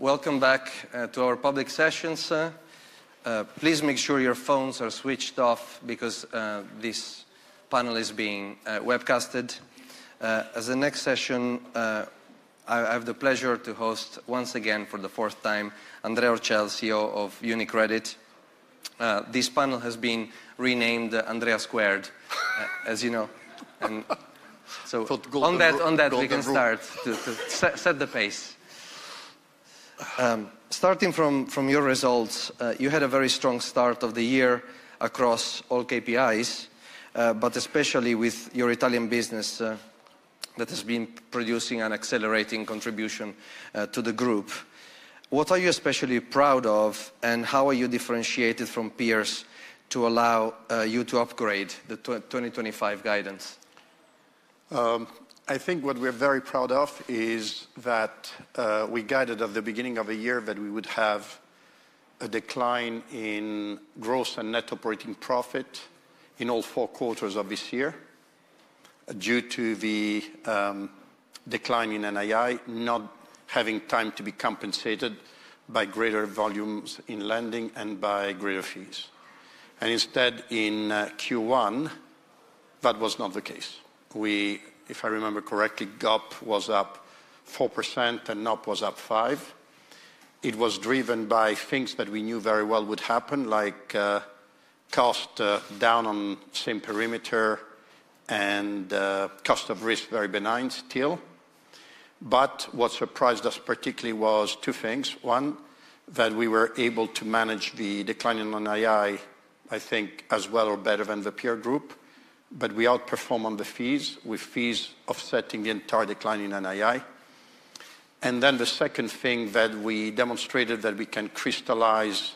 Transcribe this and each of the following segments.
Welcome back to our public sessions. Please make sure your phones are switched off because this panel is being webcast. As the next session, I have the pleasure to host, once again, for the fourth time, Andrea Orcel, CEO of UniCredit. This panel has been renamed Andrea Squared, as you know. On that, we can start. To set the pace. Starting from your results, you had a very strong start of the year across all KPIs, but especially with your Italian business that has been producing an accelerating contribution to the group. What are you especially proud of, and how are you differentiated from peers to allow you to upgrade the 2025 guidance? I think what we're very proud of is that we guided at the beginning of the year that we would have a decline in gross and net operating profit in all four quarters of this year due to the decline in NAI not having time to be compensated by greater volumes in lending and by greater fees. Instead, in Q1, that was not the case. If I remember correctly, GOP was up 4% and NOP was up 5%. It was driven by things that we knew very well would happen, like cost down on same perimeter and cost of risk very benign still. What surprised us particularly was two things. One, that we were able to manage the decline in NAI, I think, as well or better than the peer group, but we outperform on the fees, with fees offsetting the entire decline in NAI. The second thing that we demonstrated is that we can crystallize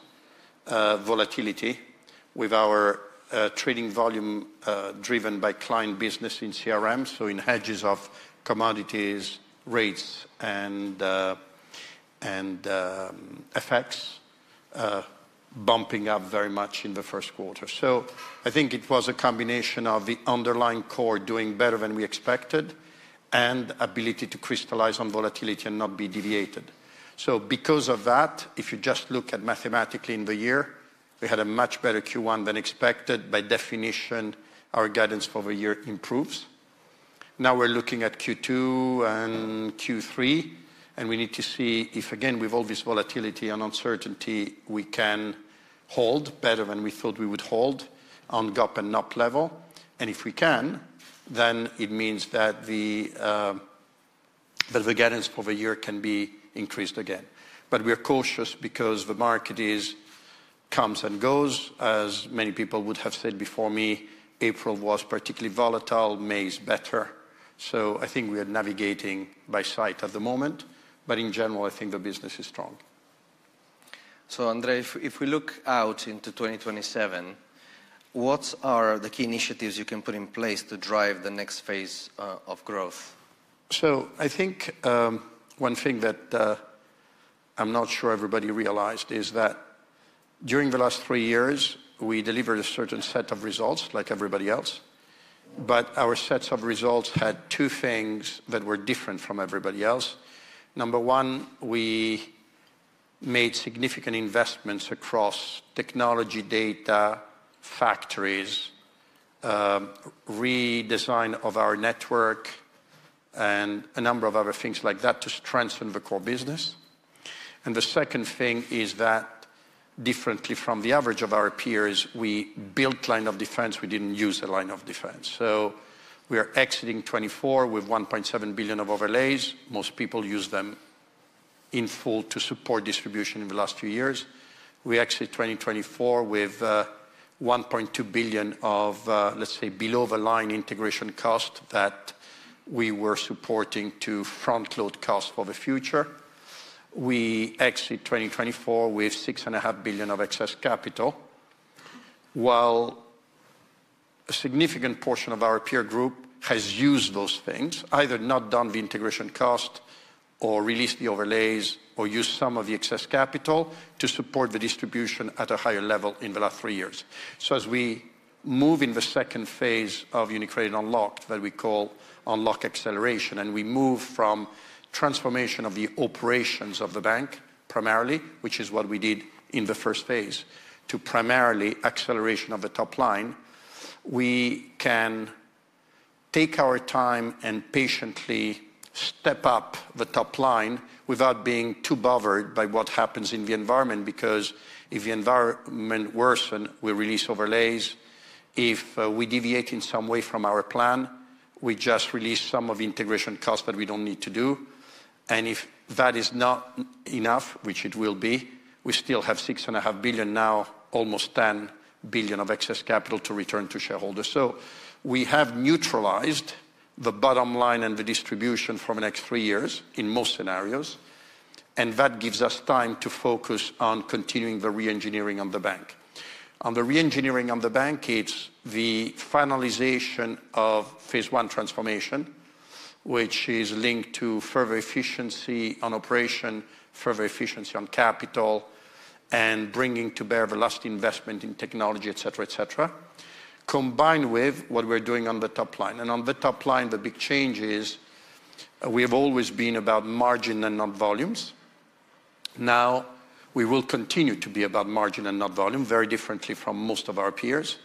volatility with our trading volume driven by client business in CRM, so in hedges of commodities, rates, and FX, bumping up very much in the first quarter. I think it was a combination of the underlying core doing better than we expected and the ability to crystallize on volatility and not be deviated. Because of that, if you just look at mathematically in the year, we had a much better Q1 than expected. By definition, our guidance for the year improves. Now we're looking at Q2 and Q3, and we need to see if, again, with all this volatility and uncertainty, we can hold better than we thought we would hold on GOP and NOP level. If we can, then it means that the guidance for the year can be increased again. We're cautious because the market comes and goes, as many people would have said before me. April was particularly volatile. May is better. I think we are navigating by sight at the moment. In general, I think the business is strong. Andrea, if we look out into 2027, what are the key initiatives you can put in place to drive the next phase of growth? I think one thing that I'm not sure everybody realized is that during the last three years, we delivered a certain set of results like everybody else. Our sets of results had two things that were different from everybody else. Number one, we made significant investments across technology, data, factories, redesign of our network, and a number of other things like that to strengthen the core business. The second thing is that, differently from the average of our peers, we built lines of defense. We did not use the lines of defense. We are exiting 2024 with 1.7 billion of overlays. Most people use them in full to support distribution in the last few years. We exit 2024 with 1.2 billion of, let's say, below-the-line integration cost that we were supporting to front-load cost for the future. We exit 2024 with 6.5 billion of excess capital, while a significant portion of our peer group has used those things, either not done the integration cost or released the overlays or used some of the excess capital to support the distribution at a higher level in the last three years. As we move in the second phase of UniCredit Unlocked, that we call Unlock Acceleration, and we move from transformation of the operations of the bank primarily, which is what we did in the first phase, to primarily acceleration of the top line, we can take our time and patiently step up the top line without being too bothered by what happens in the environment. Because if the environment worsens, we release overlays. If we deviate in some way from our plan, we just release some of the integration cost that we do not need to do. If that is not enough, which it will be, we still have 6.5 billion, now almost 10 billion of excess capital to return to shareholders. We have neutralized the bottom line and the distribution for the next three years in most scenarios. That gives us time to focus on continuing the re-engineering of the bank. On the re-engineering of the bankage, the finalization of phase one transformation, which is linked to further efficiency on operation, further efficiency on capital, and bringing to bear the last investment in technology, et cetera, et cetera, combined with what we are doing on the top line. On the top line, the big change is we have always been about margin and not volumes. Now we will continue to be about margin and not volume, very differently from most of our peers.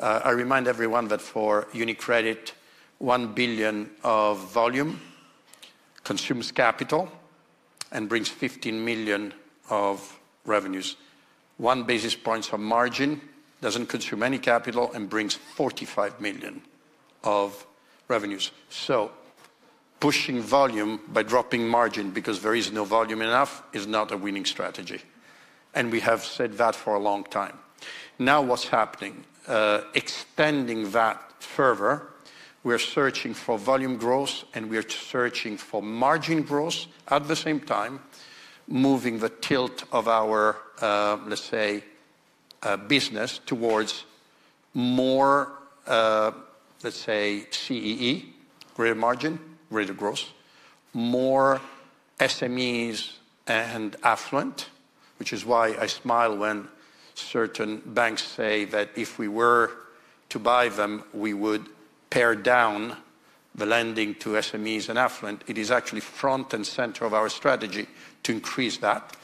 I remind everyone that for UniCredit, 1 billion of volume consumes capital and brings 15 million of revenues. One basis point of margin does not consume any capital and brings 45 million of revenues. Pushing volume by dropping margin because there is not volume enough is not a winning strategy. We have said that for a long time. Now, what is happening? Extending that further, we are searching for volume growth, and we are searching for margin growth at the same time, moving the tilt of our, let's say, business towards more, let's say, Central and Eastern Europe, greater margin, greater growth, more SMEs and affluent, which is why I smile when certain banks say that if we were to buy them, we would pare down the lending to SMEs and affluent. It is actually front and center of our strategy to increase that.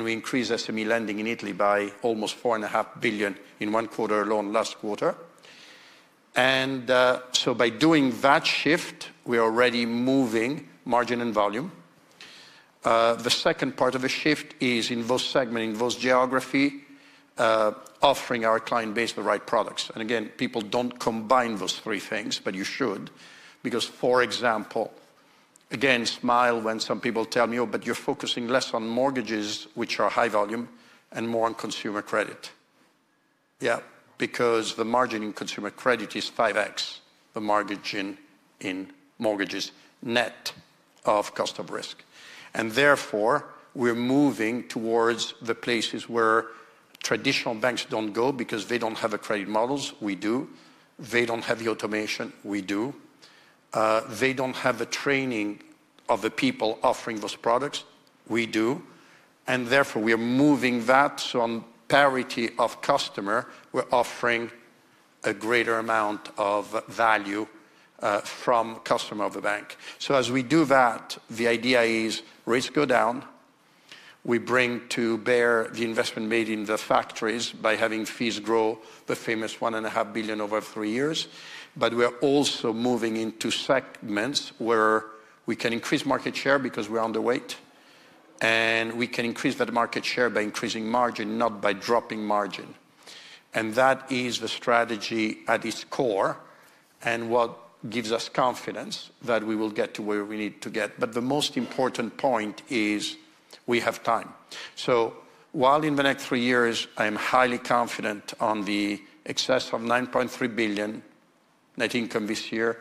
We increased SME lending in Italy by almost 4.5 billion in one quarter alone last quarter. By doing that shift, we are already moving margin and volume. The second part of the shift is in those segments, in those geographies, offering our client base the right products. Again, people do not combine those three things, but you should. For example, I smile when some people tell me, oh, but you are focusing less on mortgages, which are high volume, and more on consumer credit. Yeah, because the margin in consumer credit is 5x the margin in mortgages net of cost of risk. Therefore, we are moving towards the places where traditional banks do not go because they do not have the credit models. We do. They do not have the automation. We do. They do not have the training of the people offering those products. We do. Therefore, we are moving that. On parity of customer, we are offering a greater amount of value from customer of the bank. As we do that, the idea is rates go down. We bring to bear the investment made in the factories by having fees grow the famous 1.5 billion over three years. We are also moving into segments where we can increase market share because we are underweight. We can increase that market share by increasing margin, not by dropping margin. That is the strategy at its core and what gives us confidence that we will get to where we need to get. The most important point is we have time. While in the next three years, I am highly confident on the excess of 9.3 billion net income this year,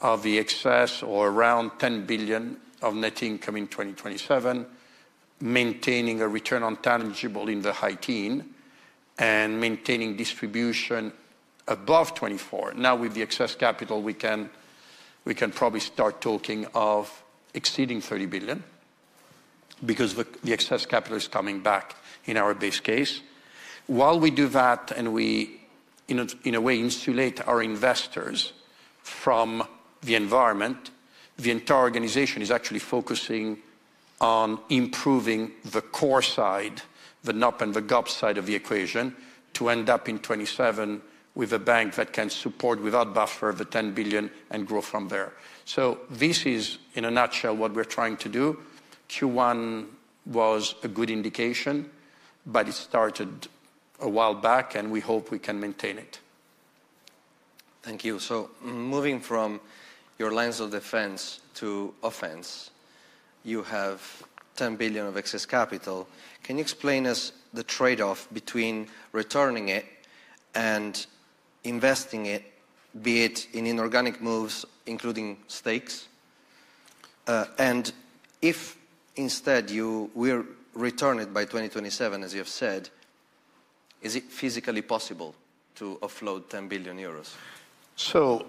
of the excess or around 10 billion of net income in 2027, maintaining a return on tangible in the high teen and maintaining distribution above 24%. Now with the excess capital, we can probably start talking of exceeding 30 billion because the excess capital is coming back in our base case. While we do that and we, in a way, insulate our investors from the environment, the entire organization is actually focusing on improving the core side, the NOP and the GOP side of the equation to end up in 2027 with a bank that can support without buffer the 10 billion and grow from there. This is, in a nutshell, what we're trying to do. Q1 was a good indication, but it started a while back, and we hope we can maintain it. Thank you. Moving from your lines of defense to offense, you have 10 billion of excess capital. Can you explain to us the trade-off between returning it and investing it, be it in inorganic moves, including stakes? If instead you return it by 2027, as you have said, is it physically possible to offload 10 billion euros?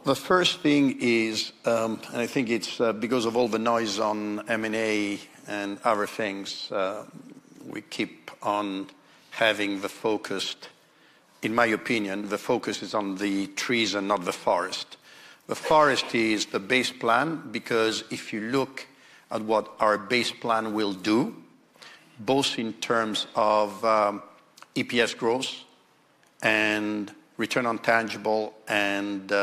The first thing is, and I think it's because of all the noise on M&A and other things, we keep on having the focus, in my opinion, the focus is on the trees and not the forest. The forest is the base plan because if you look at what our base plan will do, both in terms of EPS growth and return on tangible and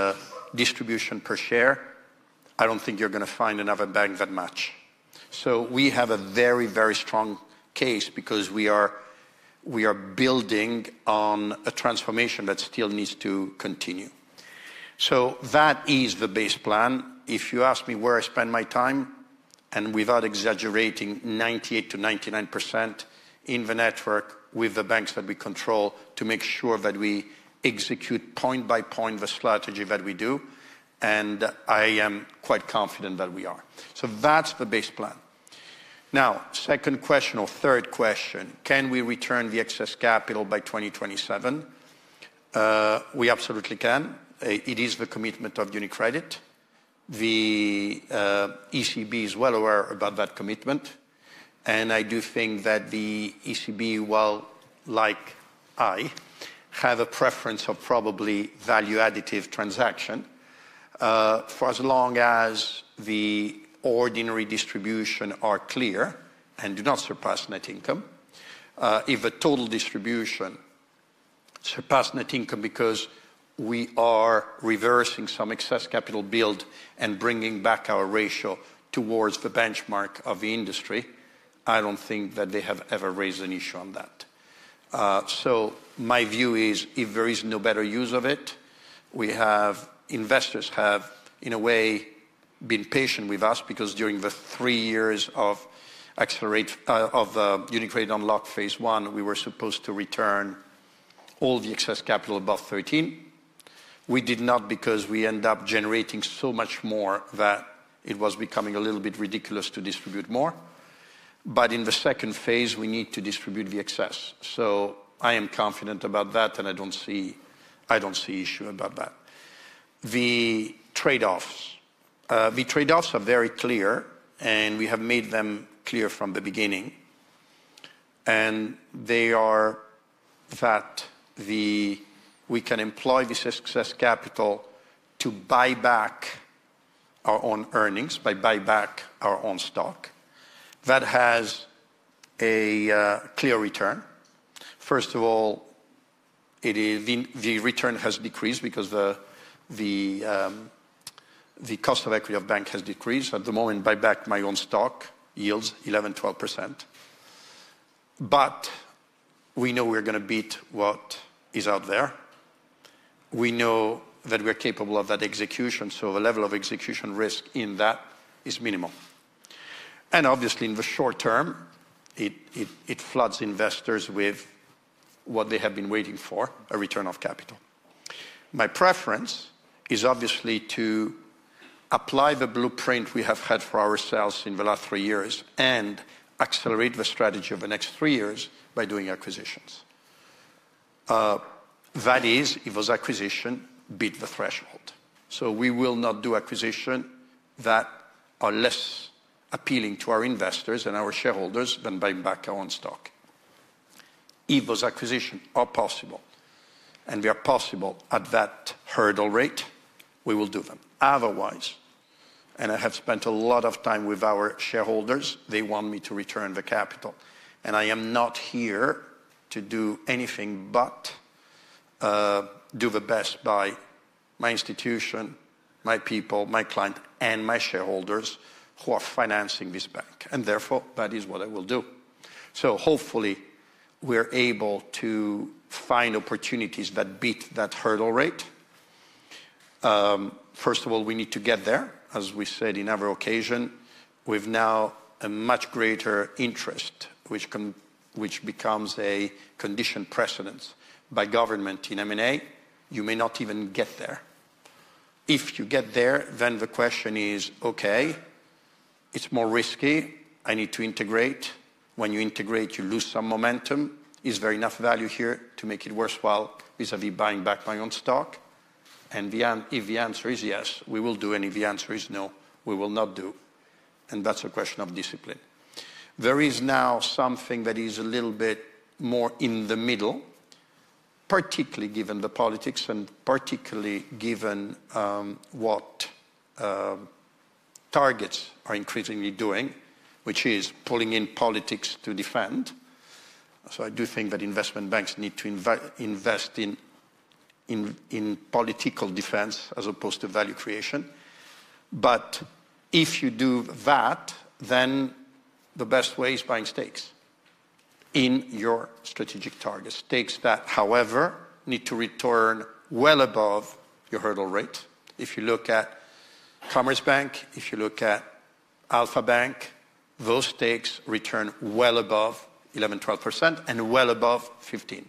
distribution per share, I don't think you're going to find another bank that much. We have a very, very strong case because we are building on a transformation that still needs to continue. That is the base plan. If you ask me where I spend my time, and without exaggerating, 98% to 99% in the network with the banks that we control to make sure that we execute point by point the strategy that we do. I am quite confident that we are. That's the base plan. Now, second question or third question, can we return the excess capital by 2027? We absolutely can. It is the commitment of UniCredit. The ECB is well aware about that commitment. I do think that the ECB, while like I, have a preference of probably value additive transaction for as long as the ordinary distribution are clear and do not surpass net income. If the total distribution surpasses net income because we are reversing some excess capital build and bringing back our ratio towards the benchmark of the industry, I don't think that they have ever raised an issue on that. My view is if there is no better use of it, we have investors have, in a way, been patient with us because during the three years of UniCredit Unlocked phase one, we were supposed to return all the excess capital above 13. We did not because we ended up generating so much more that it was becoming a little bit ridiculous to distribute more. In the second phase, we need to distribute the excess. I am confident about that, and I do not see an issue about that. The trade-offs. The trade-offs are very clear, and we have made them clear from the beginning. They are that we can employ this excess capital to buy back our own earnings, buy back our own stock. That has a clear return. First of all, the return has decreased because the cost of equity of bank has decreased. At the moment, buy back my own stock yields 11%, 12%. We know we're going to beat what is out there. We know that we're capable of that execution. The level of execution risk in that is minimal. Obviously, in the short term, it floods investors with what they have been waiting for, a return of capital. My preference is obviously to apply the blueprint we have had for ourselves in the last three years and accelerate the strategy of the next three years by doing acquisitions. That is, if those acquisitions beat the threshold. We will not do acquisitions that are less appealing to our investors and our shareholders than buying back our own stock. If those acquisitions are possible and they are possible at that hurdle rate, we will do them. Otherwise, and I have spent a lot of time with our shareholders, they want me to return the capital. I am not here to do anything but do the best by my institution, my people, my client, and my shareholders who are financing this bank. Therefore, that is what I will do. Hopefully, we are able to find opportunities that beat that hurdle rate. First of all, we need to get there. As we said in every occasion, we have now a much greater interest, which becomes a condition precedence by government in M&A. You may not even get there. If you get there, then the question is, okay, it is more risky. I need to integrate. When you integrate, you lose some momentum. Is there enough value here to make it worthwhile vis-à-vis buying back my own stock? If the answer is yes, we will do. If the answer is no, we will not do. That is a question of discipline. There is now something that is a little bit more in the middle, particularly given the politics and particularly given what Target are increasingly doing, which is pulling in politics to defend. I do think that investment banks need to invest in political defense as opposed to value creation. If you do that, then the best way is buying stakes in your strategic targets. Stakes that, however, need to return well above your hurdle rate. If you look at Commerzbank, if you look at Alpha Bank, those stakes return well above 11%, 12%, and well above 15%.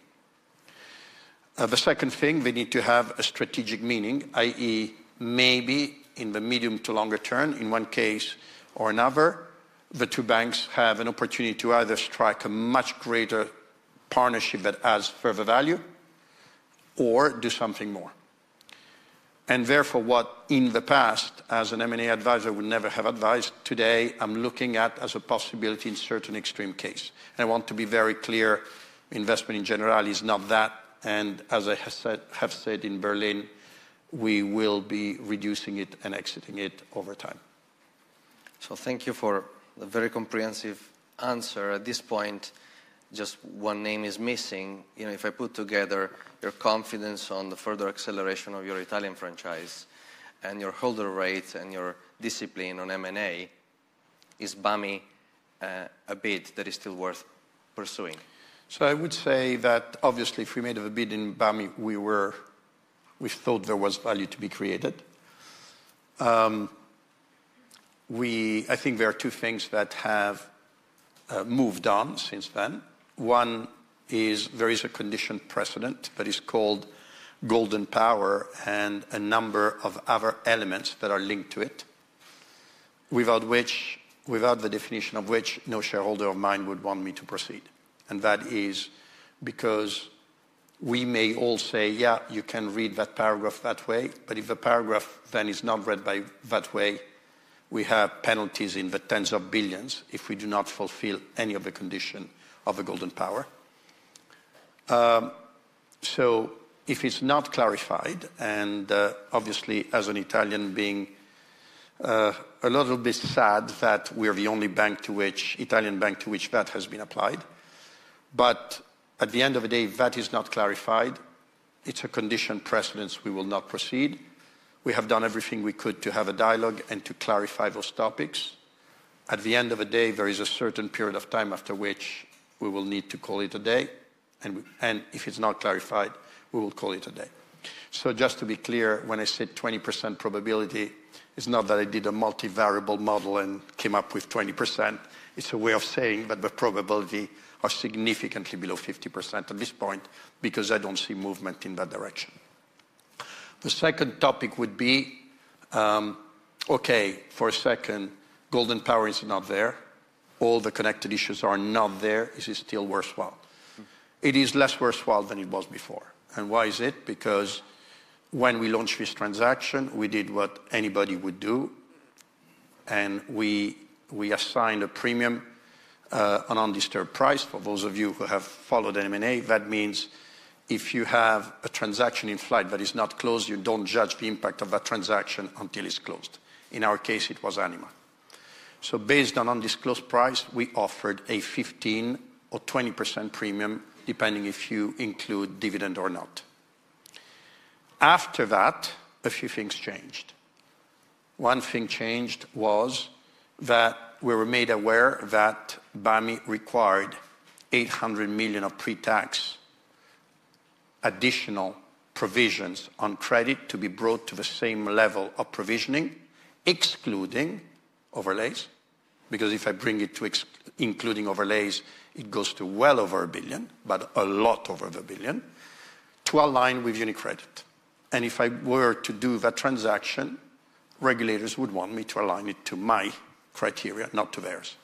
The second thing, they need to have a strategic meaning, i.e., maybe in the medium to longer term, in one case or another, the two banks have an opportunity to either strike a much greater partnership that adds further value or do something more. Therefore, what in the past, as an M&A advisor, would never have advised, today I'm looking at as a possibility in certain extreme cases. I want to be very clear, investment in general is not that. As I have said in Berlin, we will be reducing it and exiting it over time. Thank you for the very comprehensive answer. At this point, just one name is missing. If I put together your confidence on the further acceleration of your Italian franchise and your hurdle rate and your discipline on M&A, is BAMI a bid that is still worth pursuing? I would say that obviously, if we made a bid in BAMI, we thought there was value to be created. I think there are two things that have moved on since then. One is there is a condition precedent that is called golden power and a number of other elements that are linked to it, without the definition of which no shareholder of mine would want me to proceed. That is because we may all say, yeah, you can read that paragraph that way. If the paragraph then is not read that way, we have penalties in the tens of billions if we do not fulfill any of the condition of the golden power. If it is not clarified, and obviously, as an Italian, being a little bit sad that we are the only Italian bank to which that has been applied. At the end of the day, that is not clarified. It is a condition precedence. We will not proceed. We have done everything we could to have a dialogue and to clarify those topics. At the end of the day, there is a certain period of time after which we will need to call it a day. If it is not clarified, we will call it a day. Just to be clear, when I said 20% probability, it is not that I did a multi-variable model and came up with 20%. It is a way of saying that the probability is significantly below 50% at this point because I do not see movement in that direction. The second topic would be, okay, for a second, golden power is not there. All the connected issues are not there. Is it still worthwhile? It is less worthwhile than it was before. Why is it? Because when we launched this transaction, we did what anybody would do. We assigned a premium on undisturbed price. For those of you who have followed M&A, that means if you have a transaction in flight that is not closed, you do not judge the impact of that transaction until it is closed. In our case, it was Anima. Based on undisturbed price, we offered a 15% or 20% premium, depending if you include dividend or not. After that, a few things changed. One thing that changed was that we were made aware that BAMI required 800 million of pre-tax additional provisions on credit to be brought to the same level of provisioning, excluding overlays, because if I bring it to including overlays, it goes to well over 1 billion, but a lot over the billion, to align with UniCredit. If I were to do that transaction, regulators would want me to align it to my criteria, not to theirs.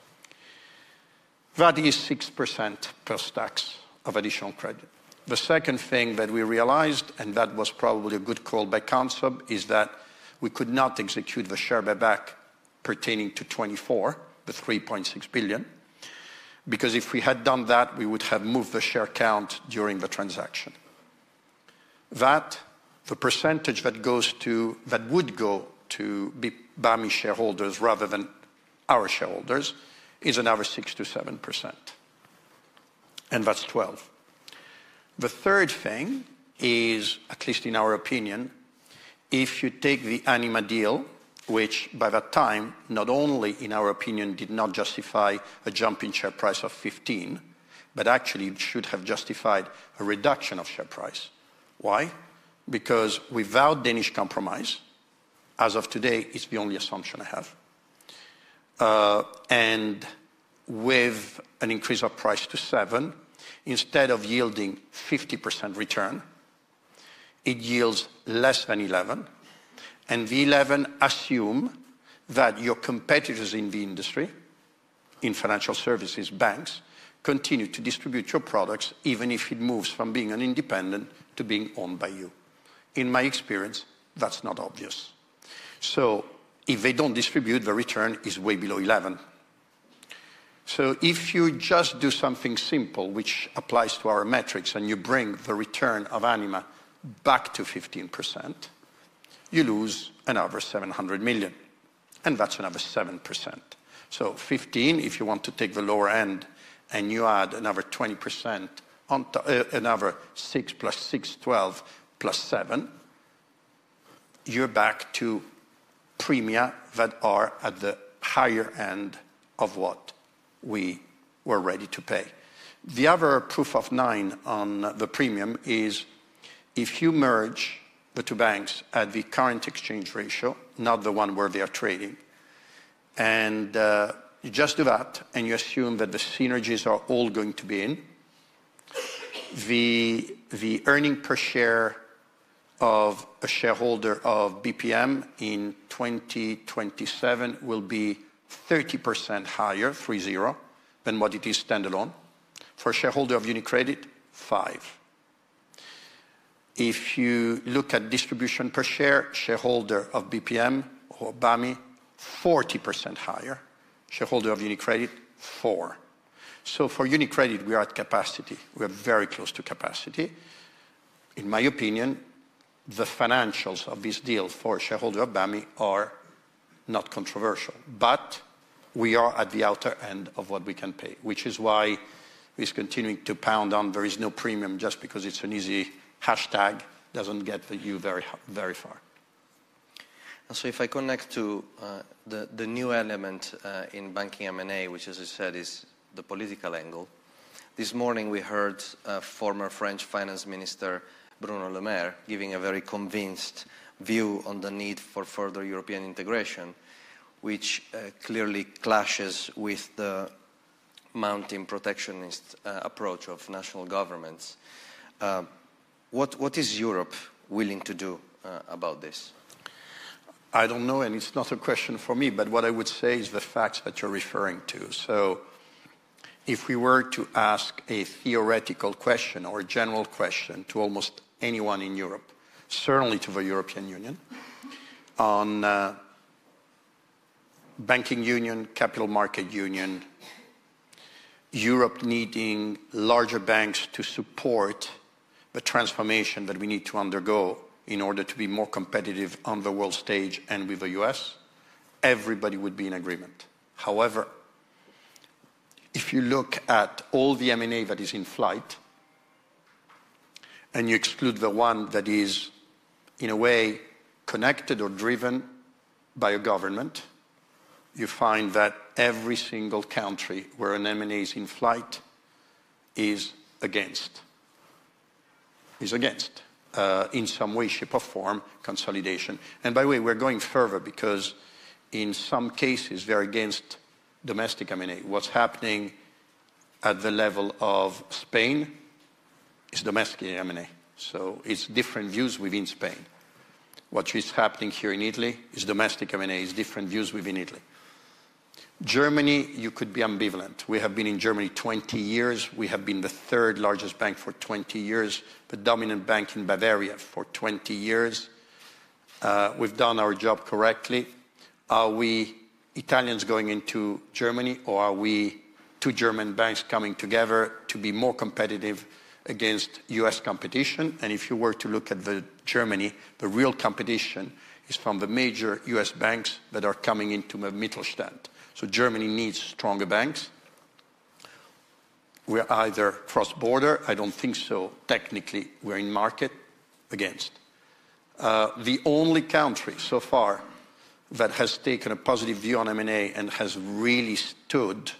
That is 6% post-tax of additional credit. The second thing that we realized, and that was probably a good call by Consob, is that we could not execute the share buyback pertaining to 2024, the 3.6 billion, because if we had done that, we would have moved the share count during the transaction. The percentage that would go to BAMI shareholders rather than our shareholders is another 6% to 7%. That is 12%. The third thing is, at least in our opinion, if you take the Anima Holding deal, which by that time, not only in our opinion, did not justify a jump in share price of 15%, but actually should have justified a reduction of share price. Why? Because without Danish Compromise, as of today, it's the only assumption I have. With an increase of price to 7%, instead of yielding 50% return, it yields less than 11%. The 11% assumes that your competitors in the industry, in financial services, banks, continue to distribute your products, even if it moves from being independent to being owned by you. In my experience, that's not obvious. If they don't distribute, the return is way below 11%. If you just do something simple, which applies to our metrics, and you bring the return of Anima back to 15%, you lose another 700 million. That's another 7%. Fifteen percent, if you want to take the lower end and you add another 20%, another 6% plus 6%, 12% plus 7%, you're back to premia that are at the higher end of what we were ready to pay. The other proof of nine on the premium is if you merge the two banks at the current exchange ratio, not the one where they are trading, and you just do that and you assume that the synergies are all going to be in, the earnings per share of a shareholder of BPM in 2027 will be 30% higher, for 0%, than what it is standalone. For a shareholder of UniCredit, 5%. If you look at distribution per share, shareholder of BPM or BAMI, 40% higher. Shareholder of UniCredit, 4%. For UniCredit, we are at capacity. We are very close to capacity. In my opinion, the financials of this deal for a shareholder of BAMI are not controversial. We are at the outer end of what we can pay, which is why it is continuing to pound on. There is no premium just because it's an easy hashtag does not get you very far. If I connect to the new element in banking M&A, which, as I said, is the political angle. This morning, we heard former French Finance Minister Bruno Le Maire giving a very convinced view on the need for further European integration, which clearly clashes with the mounting protectionist approach of national governments. What is Europe willing to do about this? I don't know. It's not a question for me. What I would say is the facts that you're referring to. If we were to ask a theoretical question or a general question to almost anyone in Europe, certainly to the European Union on banking union, capital market union, Europe needing larger banks to support the transformation that we need to undergo in order to be more competitive on the world stage and with the US, everybody would be in agreement. However, if you look at all the M&A that is in flight and you exclude the one that is, in a way, connected or driven by a government, you find that every single country where an M&A is in flight is against, in some way, shape, or form, consolidation. By the way, we're going further because in some cases, they're against domestic M&A. What's happening at the level of Spain is domestic M&A. It is different views within Spain. What is happening here in Italy is domestic M&A. It is different views within Italy. Germany, you could be ambivalent. We have been in Germany 20 years. We have been the third largest bank for 20 years, the dominant bank in Bavaria for 20 years. We have done our job correctly. Are we Italians going into Germany, or are we two German banks coming together to be more competitive against US competition? If you were to look at Germany, the real competition is from the major US banks that are coming into Mittelstand. Germany needs stronger banks. We are either cross-border. I do not think so. Technically, we are in market against. The only country so far that has taken a positive view on M&A and has really stood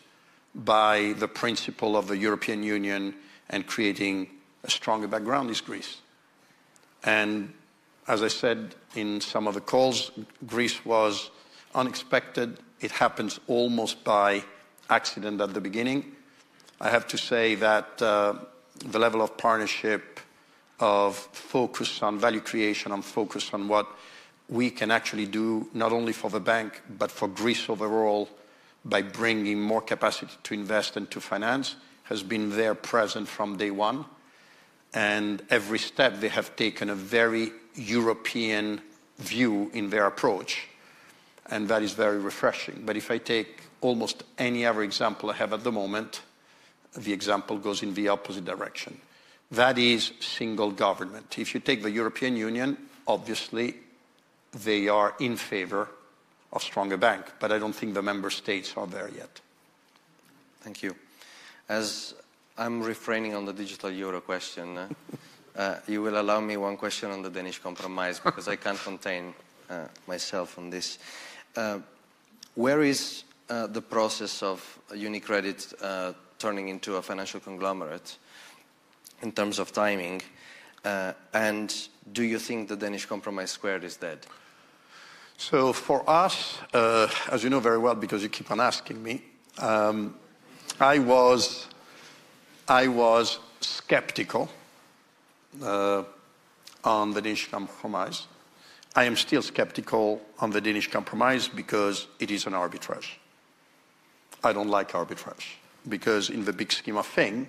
by the principle of the European Union and creating a stronger background is Greece. As I said in some of the calls, Greece was unexpected. It happens almost by accident at the beginning. I have to say that the level of partnership, of focus on value creation, on focus on what we can actually do, not only for the bank, but for Greece overall, by bringing more capacity to invest and to finance, has been there present from day one. Every step, they have taken a very European view in their approach. That is very refreshing. If I take almost any other example I have at the moment, the example goes in the opposite direction. That is single government. If you take the European Union, obviously, they are in favor of stronger bank. I don't think the member states are there yet. Thank you. As I'm refraining on the digital euro question, you will allow me one question on the Danish Compromise because I can't contain myself on this. Where is the process of UniCredit turning into a financial conglomerate in terms of timing? Do you think the Danish Compromise squared is dead? For us, as you know very well, because you keep on asking me, I was skeptical on the Danish Compromise. I am still skeptical on the Danish Compromise because it is an arbitrage. I do not like arbitrage because in the big scheme of things,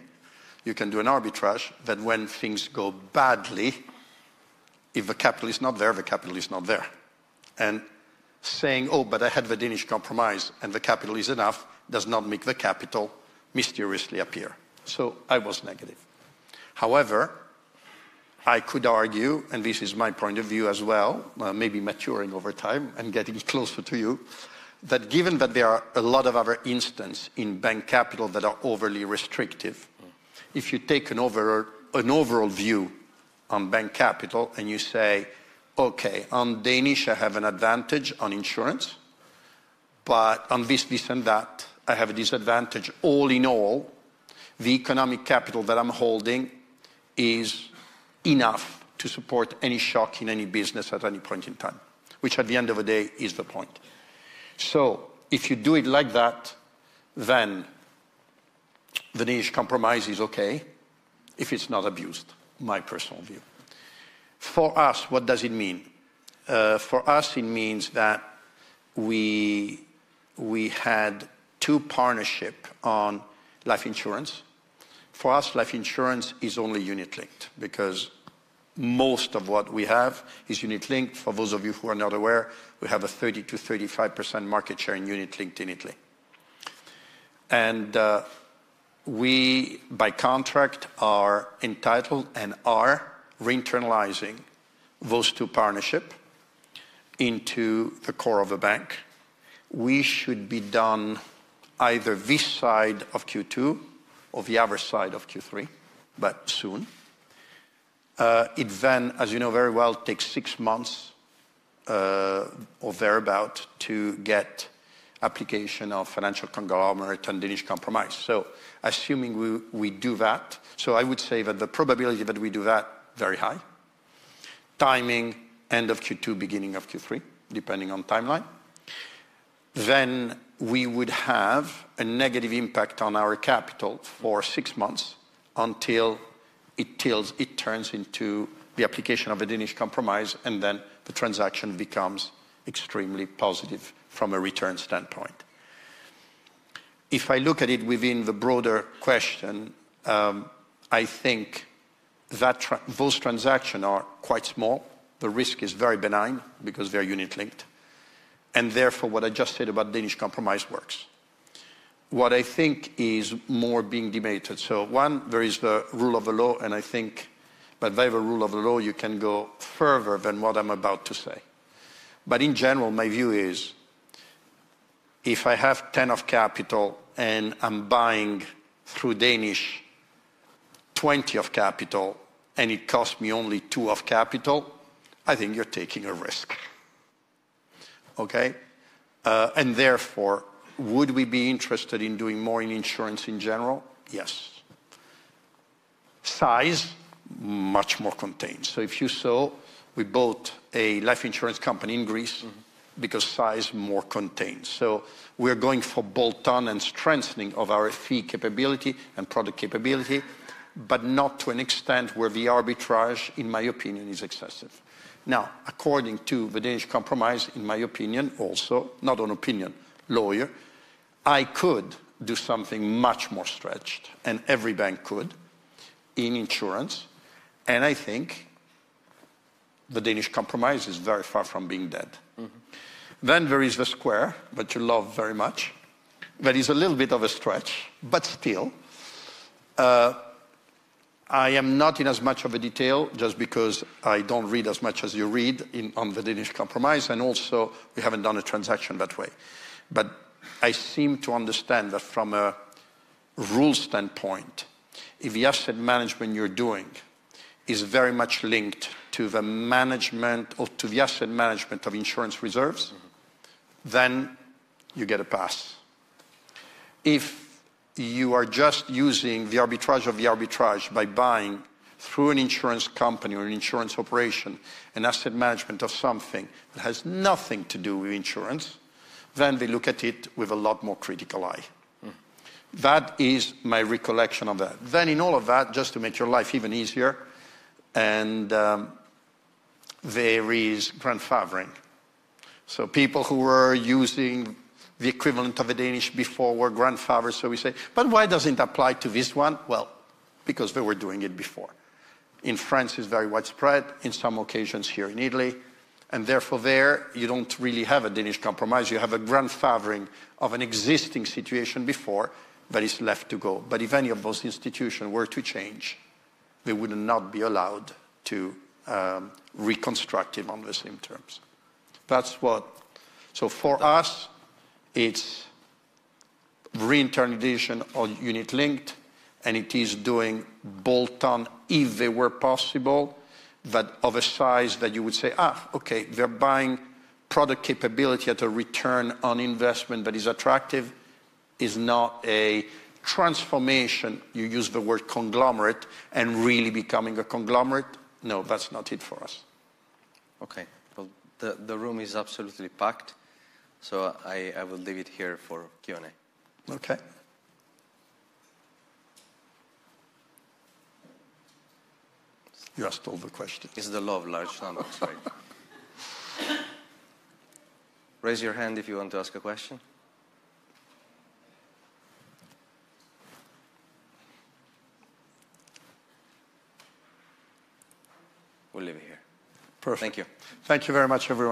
you can do an arbitrage that when things go badly, if the capital is not there, the capital is not there. Saying, oh, but I had the Danish Compromise and the capital is enough, does not make the capital mysteriously appear. I was negative. However, I could argue, and this is my point of view as well, maybe maturing over time and getting closer to you, that given that there are a lot of other instances in bank capital that are overly restrictive, if you take an overall view on bank capital and you say, okay, on Danish, I have an advantage on insurance. But on this, this, and that, I have a disadvantage. All in all, the economic capital that I'm holding is enough to support any shock in any business at any point in time, which at the end of the day is the point. If you do it like that, then the Danish Compromise is okay if it's not abused, my personal view. For us, what does it mean? For us, it means that we had two partnerships on life insurance. For us, life insurance is only unit-linked because most of what we have is unit-linked. For those of you who are not aware, we have a 30% to 35% market share in unit-linked in Italy. We, by contract, are entitled and are re-internalizing those two partnerships into the core of a bank. We should be done either this side of Q2 or the other side of Q3, but soon. It then, as you know very well, takes six months or thereabout to get application of financial conglomerate and Danish Compromise. Assuming we do that, I would say that the probability that we do that is very high. Timing, end of Q2, beginning of Q3, depending on timeline. We would have a negative impact on our capital for six months until it turns into the application of a Danish Compromise, and then the transaction becomes extremely positive from a return standpoint. If I look at it within the broader question, I think that those transactions are quite small. The risk is very benign because they are unit-linked. Therefore, what I just said about Danish Compromise works. What I think is more being debated. One, there is the rule of the law, and I think by the rule of the law, you can go further than what I'm about to say. In general, my view is if I have 10% of capital and I'm buying through Danish 20% of capital, and it costs me only 2% of capital, I think you're taking a risk. Okay? Therefore, would we be interested in doing more in insurance in general? Yes. Size, much more contained. If you saw, we bought a life insurance company in Greece because size more contained. We are going for bolt-on and strengthening of our fee capability and product capability, but not to an extent where the arbitrage, in my opinion, is excessive. According to the Danish Compromise, in my opinion also, not an opinion, lawyer, I could do something much more stretched, and every bank could in insurance. I think the Danish Compromise is very far from being dead. There is the square that you love very much, that is a little bit of a stretch, but still. I am not in as much of a detail just because I do not read as much as you read on the Danish Compromise. We have not done a transaction that way. I seem to understand that from a rule standpoint, if the asset management you are doing is very much linked to the management or to the asset management of insurance reserves, you get a pass. If you are just using the arbitrage by buying through an insurance company or an insurance operation an asset management of something that has nothing to do with insurance, they look at it with a lot more critical eye. That is my recollection of that. In all of that, just to make your life even easier, there is grandfathering. People who were using the equivalent of a Danish before were grandfathered, so we say. Why does it not apply to this one? Because they were doing it before. In France, it is very widespread. In some occasions here in Italy. Therefore, there, you do not really have a Danish Compromise. You have a grandfathering of an existing situation before that is left to go. If any of those institutions were to change, they would not be allowed to reconstruct it on the same terms. That is what. For us, it is re-internalization or unit-linked, and it is doing bolt-on if they were possible, but of a size that you would say, okay, they are buying product capability at a return on investment that is attractive, is not a transformation. You use the word conglomerate and really becoming a conglomerate. No, that is not it for us. Okay. The room is absolutely packed. I will leave it here for Q&A. Okay. You asked all the questions. It's the love, Larzon. That's right. Raise your hand if you want to ask a question. We'll leave it here. Perfect. Thank you. Thank you very much everyone.